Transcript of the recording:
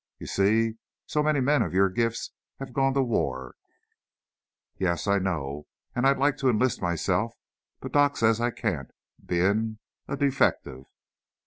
You see, so many men of your gifts have gone to war " "Yes, I know, and I'd like to enlist myself, but Doc says I can't, being a a defective."